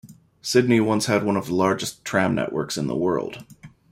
Sydney once had one of the largest tram networks in the world.